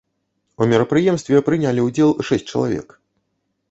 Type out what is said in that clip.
У мерапрыемстве прынялі ўдзел шэсць чалавек.